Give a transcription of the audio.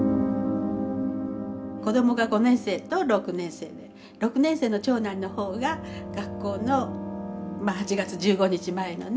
子どもが５年生と６年生で６年生の長男の方が学校のまあ８月１５日前のね